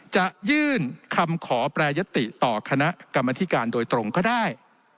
จะยื่นคำขอแปรยติต่อคณะกรรมธิการโดยตรงก็ได้